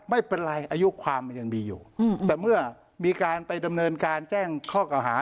ไม่เป็นไรอายุความมันยังมีอยู่แต่เมื่อมีการไปดำเนินการแจ้งข้อเก่าหา